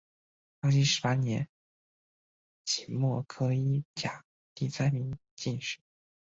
康熙十八年己未科一甲第三名进士。